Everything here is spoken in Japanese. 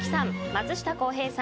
松下洸平さん